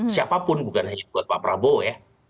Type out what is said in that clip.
siapapun bukan hanya buat pak prabowo ya